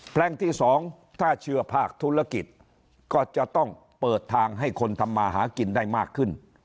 แหล่งที่๒ถ้าเชื่อภาคธุรกิจก็จะต้องเปิดทางให้คนทำมาหากินได้มากขึ้น